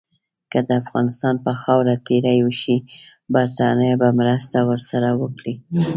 که د افغانستان پر خاوره تیری وشي، برټانیه به مرسته ورسره وکړي.